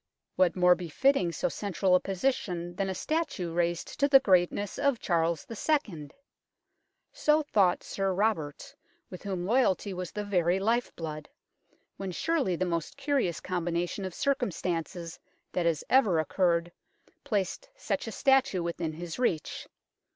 What more befitting so central a position than a statue raised to the greatness of Charles II. ? So thought Sir Robert, with whom loyalty was the very life blood, when surely the most curious combination of circumstances that has ever occurred placed such a statue within his reach.